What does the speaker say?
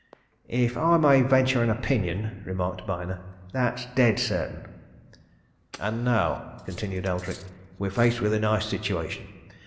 "If I may venture an opinion," remarked Byner, "that's dead certain!" "And now," continued Eldrick, "we're faced with a nice situation!